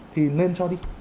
thì nên cho đi